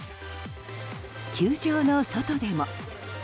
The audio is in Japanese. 球場の外でも。